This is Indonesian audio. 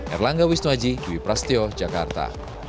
erlangga wisnuaji wiprastio jakarta